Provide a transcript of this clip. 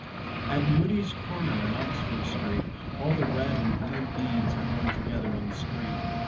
At Mudie's corner in Oxford Street all the red and blue beads had run together on the string.